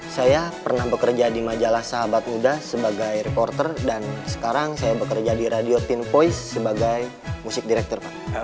saya pernah bekerja di majalah sahabat muda sebagai reporter dan sekarang saya bekerja di radio tim voice sebagai musik direktur pak